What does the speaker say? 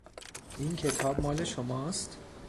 این کتاب مال شماست؟